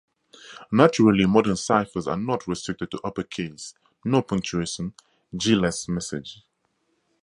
Naturally, modern ciphers are not restricted to upper-case, no-punctuation, J-less messages.